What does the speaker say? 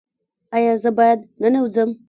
ایا زه باید ننوځم؟